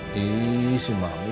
tuh si mami